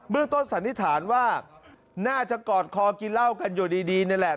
เรื่องต้นสันนิษฐานว่าน่าจะกอดคอกินเหล้ากันอยู่ดีนี่แหละ